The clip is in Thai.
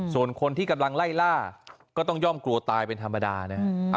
ส่วนคนที่กำลังไล่ล่าก็ต้องย่อมกลัวตายเป็นธรรมดานะฮะ